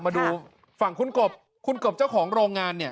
มาดูฝั่งคุณกบคุณกบเจ้าของโรงงานเนี่ย